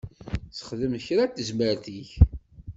Sexdem kra tazmert-ik.